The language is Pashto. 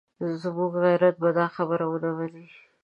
زموږ غیرت به دا خبره ونه مني.